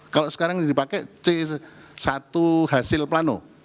kalau sekarang dipakai c satu hasil plano